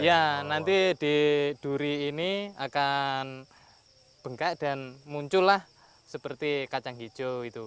iya nanti di duri ini akan bengkak dan muncul lah seperti kacang hijau itu